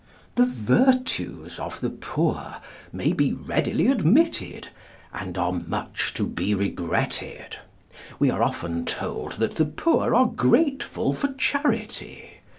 The virtues of the poor may be readily admitted, and are much to be regretted. We are often told that the poor are grateful for charity.